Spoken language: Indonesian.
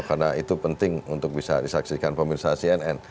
karena itu penting untuk bisa disaksikan pemerintah cnn